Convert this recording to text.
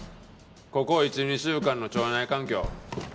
ここ１２週間の腸内環境。